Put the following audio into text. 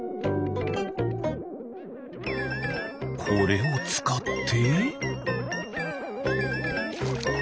これをつかって。